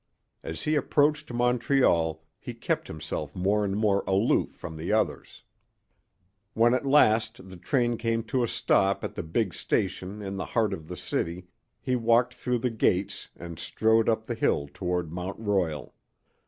As he approached Montreal he kept himself more and more aloof from the others. When at last the train came to a stop at the big station in the heart of the city he walked through the gates and strode up the hill toward Mount Royal.